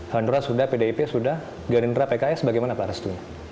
halanurah sudah pdip sudah garenera pks bagaimana pak